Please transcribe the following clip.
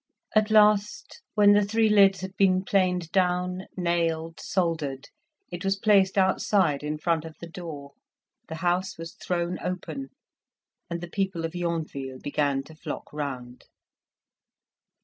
At last, when the three lids had been planed down, nailed, soldered, it was placed outside in front of the door; the house was thrown open, and the people of Yonville began to flock round.